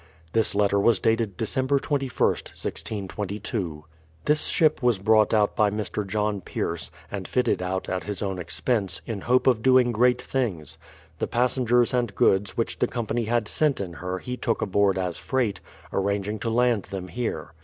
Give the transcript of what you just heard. ... This letter was dated December 2 1st, 1622. This ship was brought out by Mr. John Pierce, and fitted out at his own expense, in hope of doing great things. The passengers and goods which the company had sent in her he took aboard as freight, arranging to land them here.